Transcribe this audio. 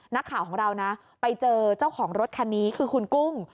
นักข่าวของเรานะไปเจอเจ้าของรถคันนี้คือคุณกุ้ง